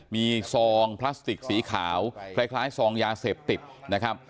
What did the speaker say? มีซองพลาสติกสีขาวคล้ายซองยาเสพติดนะครับ